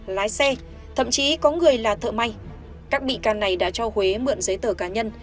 lái xe thậm chí có người là thợ may các bị can này đã cho huế mượn giấy tờ cá nhân